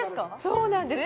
そうなんです。